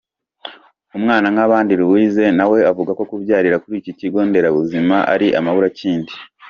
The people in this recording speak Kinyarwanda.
Umwanankabandi Louise nawe avuga ko kubyarira kuri iki kigo nderabuzima ari amaburakindi.